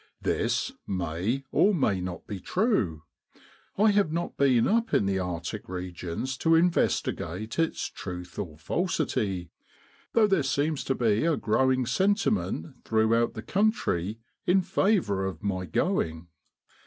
This may or may not be true. I have not been up in the arctic regions to investigate its truth or falsity, though there seems to be a growing sentiment throughout the country in favor of my going.